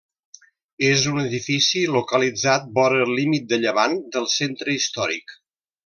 És un edifici localitzat vora el límit de llevant del centre històric.